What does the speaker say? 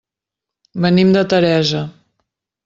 Venim de Teresa.